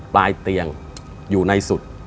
ปลายเตียงอยู่ในสุด